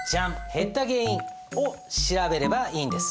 減った原因を調べればいいんです。